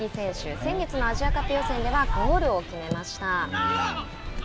先月のアジアカップ予選ではゴールを決めました。